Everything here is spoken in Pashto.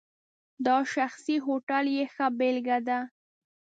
دا شخصي هوټل یې ښه بېلګه ده.